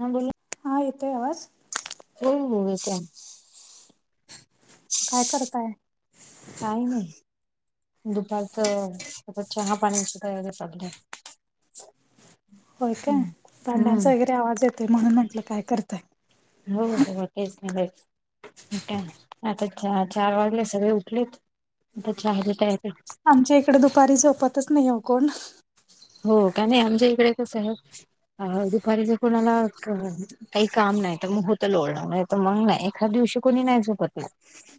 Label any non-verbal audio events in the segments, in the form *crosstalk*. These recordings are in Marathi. हां बोला. हा येतोय आवाज हो हो येतोय. काय करताय? काही नाही दुपारच आता चहा पाण्याची तयारी चाललेय. होय काय भांड्यांचा हम्म वगैरे आवाज येतोय म्हणून म्हंटलं काय करताय. हो हो तेच नी बाई हें काय आता च चार वाजले सगळे उठलेत आता चहा ची तयारी आमच्या इकड दुपारी झोपतच नाही हो कोण हो का नाही आमच्या इकडे कस आहे अ दुपारी जर कोणाला क काही काम नाय तर मग होतं लोळण नाय तर मंग नाय एखाद दिवशी कोणी नाही झोपत म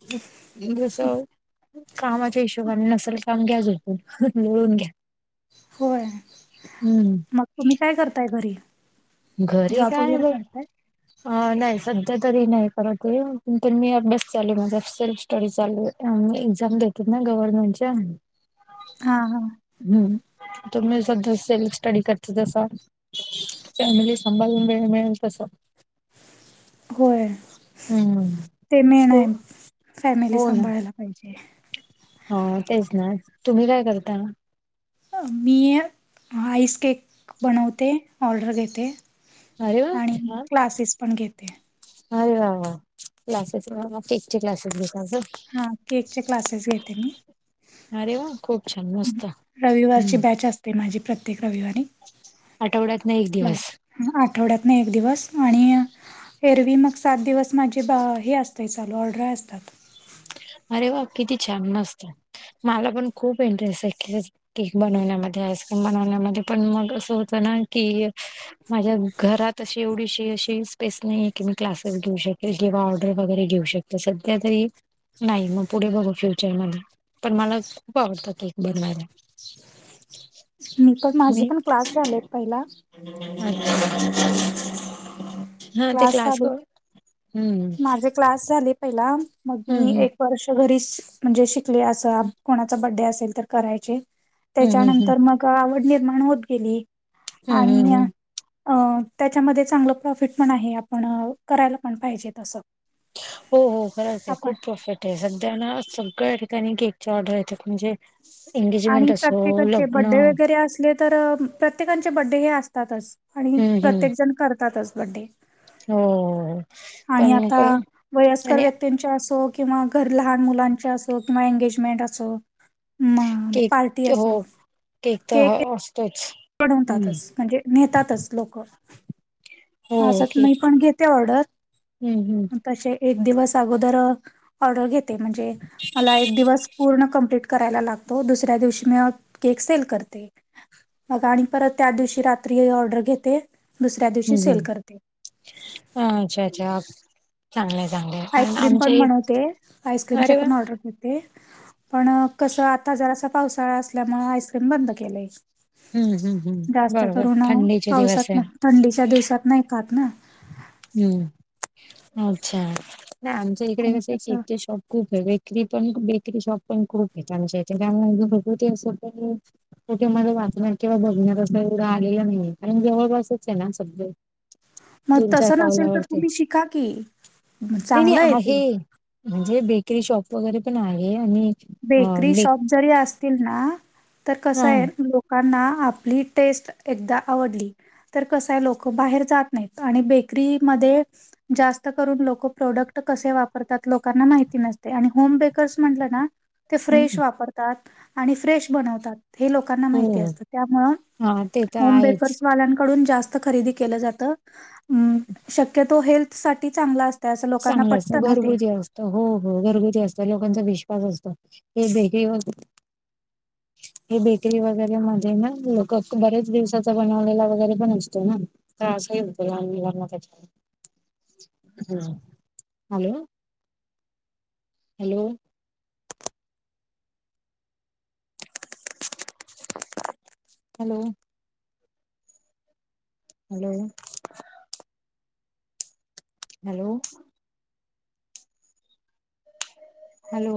हं म्हणजे असं कामाच्या हिशोबा नसल काम घ्या झोपून लोळून घ्या. होय हम्म मग तुम्ही काय करताय घरी घरी जॉब काय वगैरे ब करताय अ नाही सध्या तरी नाही करत ये पण ते मी अभ्यास चालू माझा सेल्फ स्टडी चालू य एक्झाम देते ना गव्हर्नमेंटच्या हा हा हम्म आता मी सध्या सेल्फ स्टडी करते तसा फॅमिली सांभाळून वेळ मिळेल तसं होय. हम्म मंग ते मेन तो आहे फॅमिली सांभाळायला पाहिजे. हा तेच ना तुम्ही काय करता मं मी आईस केक बनवते ऑर्डर घेते. अरे वा आणि छान क्लासेस पण घेते. अरे वा वा! क्लासेस म केकचे क्लासेस घेता काय हा केकचे क्लासेस घेते मी अरे वा! खूप छान मस्त हम्म रविवारची बॅच असते माझी प्रत्येक रविवारी आठवड्यात ना एक क्लास दिवस आठवड्यात ना एक दिवस आणि एरवी मग सात दिवस माझी बा हेंमं अस ते चालू ऑर्डर असातात. अरे वा! किती छान! मस्त मला पण खूप इंटरेस्ट आहे केक बनवण्यामध्ये आईस्क्रीम बनवण्यामध्ये पण मग असं होतं ना की माझ्या घरात अशी एवढीशी अशी स्पेस नाहीे की मी क्लासेस घेऊ शकेल किंवा ऑर्डर वगैरे घेऊ शक त सध्या तरी नाही मग पुढे बघू फ्युचर मध्ये पण मला खूप आवडतं केक बनवायला. *unintelligible* मी पण माझे मी पण क्लास झालेत पहिला अच्छा. हा ते क्लास कर हम्म माझे क्लास झाले पहिला मग मी एक वर्ष घरीच म्हणजे शिकले असं कोणाचा बड्डे असेल तर करायचे. हं, हं, हं. त्याच्यानंतर मग आवड निर्माण होत गेली हं, हं, आणि हं. अ त्याच्यामध्ये चांगलं प्रॉफिट पण आहे आपण करायला पण पाहिजेत असं हो हो खरंच आहे खूप प्रॉफिट आहे सध्या ना सगळ्या ठिकाणी केकच्या ऑर्डर येतात म्हणजे एंगेजमेंट आणि असो प्रत्येकाचे लग्न बड्डे वगैरे असले तर प्रत्येकांचे बड्डे हे असतातच आणि हम्म हम्म प्रत्येक जण करतातच बड्डे हो हो - आणि पण क आता वयस्कर आणि व्यक्ती च्या असो किंवा घर लहान मुलांच्या असो किंवा एंगेजमेंट असो म पार्टी केक हो असो केक त हा असतोच. हम्म बनवतातच म्हणजे नेतातच लोक हो असं केक मी पण घेते ऑर्डर हम्म हम्म तसे एक दिवस अगोदर ऑर्डर घेते म्हणजे मला एक दिवस पूर्ण कमप्लीट करायला लागतो दुसऱ्या दिवशी मी केक सेल करते. बग आणि परत त्या दिवशी रात्री ऑर्डर घेते. दुसऱ्या दिवशी हम् सेल करते. हम् अच्छा अच्छा. चांगलंय चांगलंय कारण आईस्क्रीम आमच्या पण इ म्हणवते आस्क्रीम चे अरे वा पण ऑर्डर ते पण कस आता जरा पावसाळा असल्यामुळे आईस्क्रीम बंद केलंय. हम्म हम्म हम्म जास्त बरोबर करुून थंडीचे दिवस पावसात आहे ना थंडीच्या दिवसात नाही काात ना. हम्म अच्छा नाही आमच्या इकडे आणि कसे कसं केकचे शॉप खूप वेगळे री पण बेकरी शॉप पण खूप आहेत त्यांमच्या इथे भगवती असं पण कुठे मला वाचणार किंवा बघण्यात असं एवढं आलेलं नाही कारण जवळ बासच आहे ना सधळे मग दोन चार तसं नसेल तर पावलावर ते तुम्ही शिका की विणी चांगलं ते. आहे. म्हणजे बेकरी शॉप वगैरे पण आहे आणि अ बेकरी बेक शॉप जरी असतील ना तर कस हा आहेोक. लकांना आपली टेस्ट एकदा आवडली. तर कसय लोक बाहेर जात नाहीत आणि बेकरीमध्ये जास्त करून लोक प्रोडक्ट कसे वापरतात लोकांना माहिती नसते आणि होम बेकर्स म्हटलं ना. ते हम्म, फ्रेश वापरतात आणि फ्रेश बनवतात. हे लोकांना माहिती हो असतं त्यामुळे हा ते तर होम आहेच बेकर्स वाल्यांकडून जास्त खरेदी केलं जात शक्यतो हेल्थ साठी चांगला असत. चांगलं असतं घरगुती असत. हो हो घरगुती असत लोकांचा विश्वास असतो हे ब हे बेकरी वगैरे मध्ये ना लोक बरेच दिवसाचा बनवलेला वगैरे पण असतो ना. त्रासही होतो त्याचा लहान मुलांना hello. Hello. Hello. Hello. Hello. Hello.